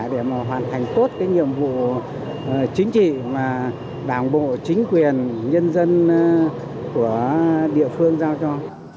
để mà hoàn thành tốt cái nhiệm vụ chính trị mà đảng bộ chính quyền nhân dân của địa phương giao cho